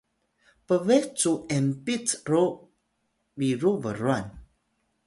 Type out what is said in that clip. pbes cu enpit ro biru brwan